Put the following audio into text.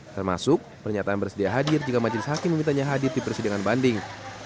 termasuk pernyataan bersedia hadir jika majelis hakim memintanya hadir di persidangan banding